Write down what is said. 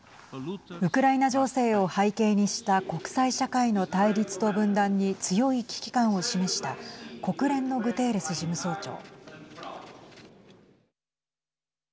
ウクライナ情勢を背景にした国際社会の対立と分断に強い危機感を示した国連のグテーレス事務総長。